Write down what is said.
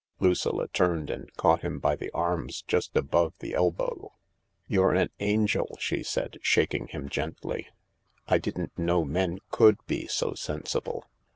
Lucilla turned and caught him by the arms just above the elbow. " You're an angel," she said, shaking him gently. " I didn't know men could be so sensible.